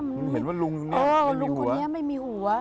หมายถึงว่าลุงคนนี้ไม่มีหัว